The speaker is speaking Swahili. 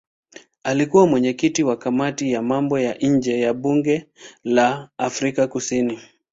Alikuwa mwenyekiti wa kamati ya mambo ya nje ya bunge la Afrika Kusini.